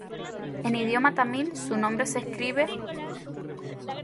En idioma tamil, su nombre se escribe Aditya.